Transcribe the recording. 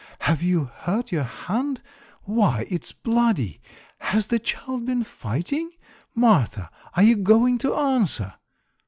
Have you hurt your hand? Why, it's bloody! Has the child been fighting? Martha, are you going to answer?"